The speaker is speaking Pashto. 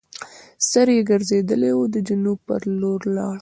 سر یې ګرځېدلی وو د جنوب پر لور لاړ.